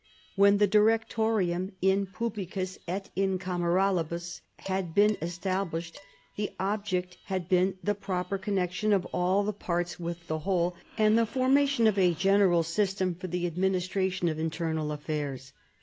When the "Directorium in publicis et in cameralibus " had been established, the object had been the proper connection of all the parts with the whole, and the formation of a general system for the administration of internal affairs.